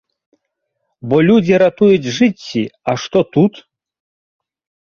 Бо людзі ратуюць жыцці, а што тут?